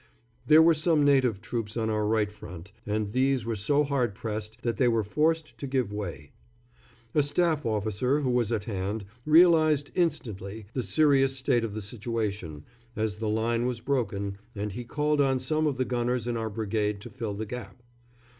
There were some native troops on our right front, and these were so hard pressed that they were forced to give way. A staff officer who was at hand realised instantly the serious state of the situation, as the line was broken, and he called on some of the gunners in our brigade to fill the gap.